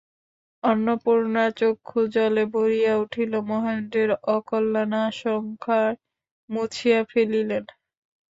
অন্নপূর্ণার চক্ষু জলে ভরিয়া উঠিল, মহেন্দ্রের অকল্যাণ-আশঙ্কায় মুছিয়া ফেলিলেন।